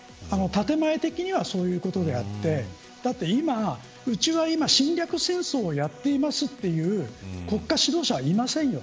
建前的にはそういうことであってだって今、うちは侵略戦争をやっていますという国家指導者はいませんよ。